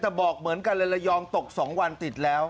แต่บอกเหมือนกันเลยระยองตก๒วันติดแล้ว